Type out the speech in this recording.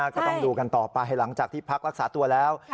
ก็ต้องดูกันต่อไปหลังจากที่พักรักษาตัวแล้ว